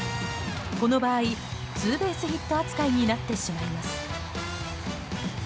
この場合ツーベースヒット扱いになってしまいます。